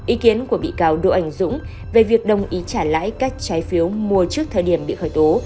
ý kiến của bị cáo đỗ ảnh dũng về việc đồng ý trả lãi các trái phiếu mua trước thời điểm bị khởi tố